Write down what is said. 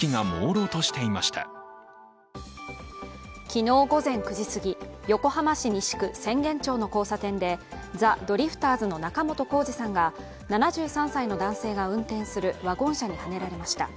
昨日午前９時すぎ、横浜市西区浅間町の交差点でザ・ドリフターズの仲本工事さんが、７３歳の男性が運転するワゴン車にはねられました。